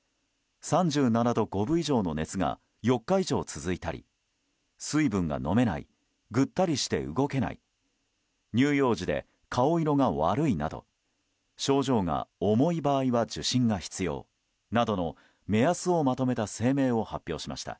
３７度５分以上の熱が４日以上続いたり水分が飲めないぐったりして動けない乳幼児で顔色が悪いなど症状が重い場合は受診が必要などの目安をまとめた声明を発表しました。